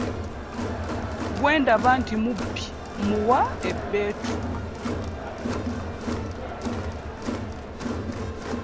Gwe ndaba nti mubi mmuwa ebbeetu.